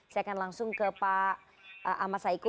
saya akan langsung ke pak ahmad saiku